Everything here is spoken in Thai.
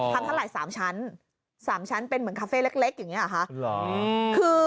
ทำทั้งหลายสามชั้นสามชั้นเป็นเหมือนคาเฟ่เล็กอย่างนี้อะค่ะ